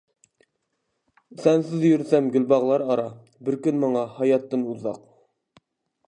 سەنسىز يۈرسەم گۈلباغلار ئارا، بىر كۈن ماڭا ھاياتتىن ئۇزاق.